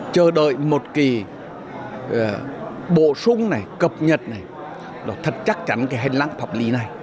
chờ đợi một bộ xung cập nhật thật chắc chắn về hành lang pháp lý này